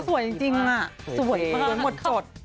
เขาสวยจริงน่ะสวยสวยหมดจด